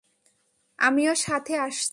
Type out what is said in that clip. আমিও সাথে আসছি।